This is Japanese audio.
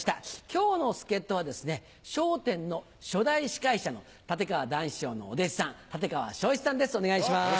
今日の助っ人はですね『笑点』の初代司会者の立川談志師匠のお弟子さん立川生志さんです